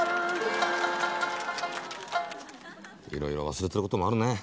いろいろ忘れてることもあるね。